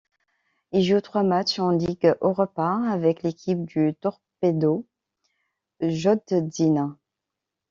Il joue trois matchs en Ligue Europa avec l'équipe du Torpedo Jodzina.